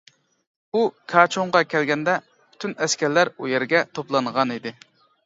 ئۇ كاچۇڭغا كەلگەندە، پۈتۈن ئەسكەرلەر ئۇ يەرگە توپلانغانىدى.